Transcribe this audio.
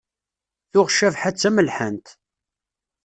Tuɣ Cabḥa d tamelḥant.